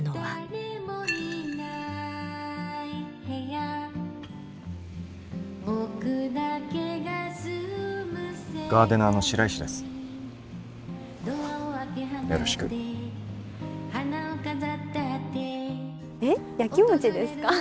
やきもちですか？